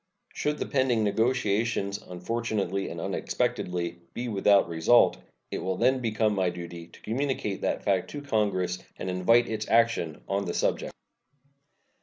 Should the pending negotiations, unfortunately and unexpectedly, be without result, it will then become my duty to communicate that fact to Congress and invite its action on the subject.